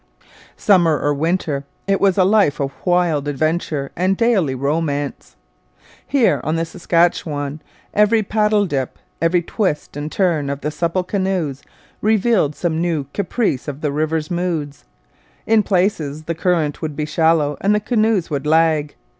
Summer or winter, it was a life of wild adventure and daily romance. Here on the Saskatchewan every paddle dip, every twist and turn of the supple canoes, revealed some new caprice of the river's moods. In places the current would be shallow and the canoes would lag.